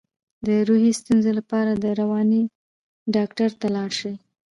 د روحي ستونزو لپاره د رواني ډاکټر ته لاړ شئ